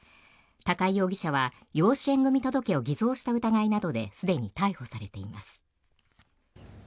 高井容疑者は養子縁組届を偽造した疑いなどですでに逮捕されています。